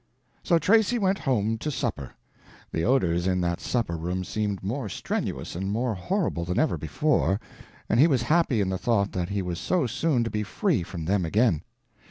So Tracy went home to supper. The odors in that supper room seemed more strenuous and more horrible than ever before, and he was happy in the thought that he was so soon to be free from them again.